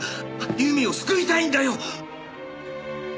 由美を救いたいんだよ！